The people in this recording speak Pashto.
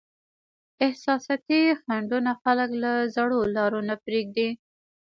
احساساتي خنډونه خلک له زړو لارو نه پرېږدي.